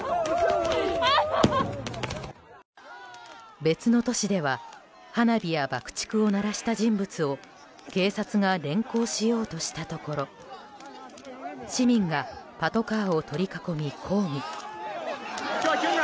別の都市では花火や爆竹を鳴らした人物を警察が連行しようとしたところ市民がパトカーを取り囲み抗議。